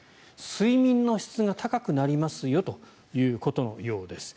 睡眠の質が高くなりますよということのようです。